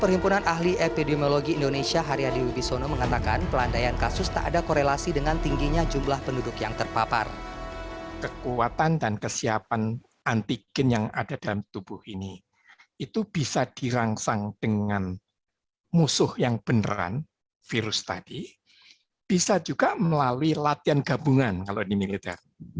sementara pemerintah melakukan survei seroprevalensi setiap enam bulan sekali di seratus kabupaten kota